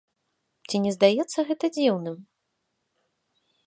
Ці не здаецца гэта дзіўным?